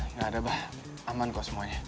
nggak ada bah aman kok semuanya